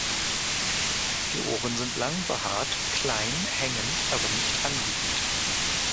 Die Ohren sind lang behaart, klein, hängend, aber nicht anliegend.